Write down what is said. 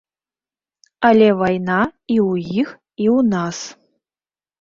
Але вайна і ў іх, і ў нас.